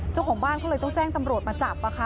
เจ้าของบ้านก็เลยต้องแจ้งตำรวจมาจับ